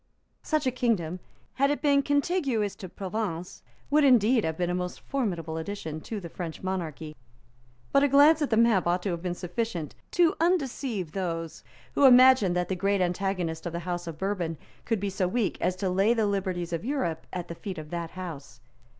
Such a kingdom, had it been contiguous to Provence, would indeed have been a most formidable addition to the French monarchy. But a glance at the map ought to have been sufficient to undeceive those who imagined that the great antagonist of the House of Bourbon could be so weak as to lay the liberties of Europe at the feet of that house.